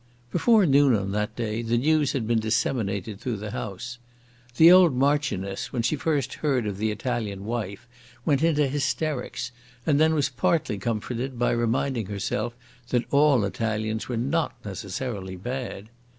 Before noon on that day the news had been disseminated through the house. The old Marchioness, when she first heard of the Italian wife, went into hysterics, and then was partly comforted by reminding herself that all Italians were not necessarily bad.